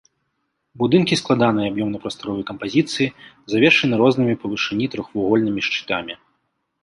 Будынкі складанай аб'ёмна-прасторавай кампазіцыі, завершаны рознымі па вышыні трохвугольнымі шчытамі.